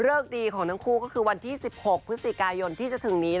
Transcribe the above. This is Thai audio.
ดีของทั้งคู่ก็คือวันที่๑๖พฤศจิกายนที่จะถึงนี้